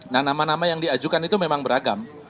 nah nama nama yang diajukan itu memang beragam